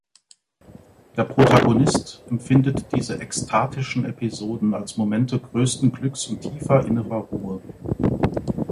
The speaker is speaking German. Der Protagonist empfindet diese ekstatischen Episoden als Momente größten Glücks und tiefer innerer Ruhe.